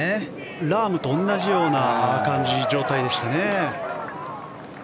ラームと同じような状態でしたね。